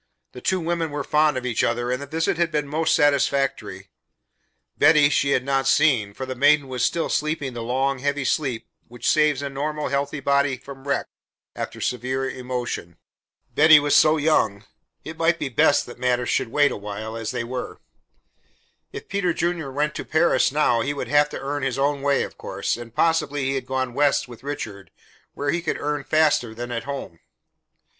The two women were fond of each other, and the visit had been most satisfactory. Betty she had not seen, for the maiden was still sleeping the long, heavy sleep which saves a normal healthy body from wreck after severe emotion. Betty was so young it might be best that matters should wait awhile as they were. If Peter Junior went to Paris now, he would have to earn his own way, of course, and possibly he had gone west with Richard where he could earn faster than at home.